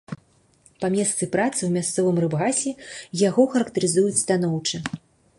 Па месцы працы, у мясцовым рыбгасе, яго характарызуюць станоўча.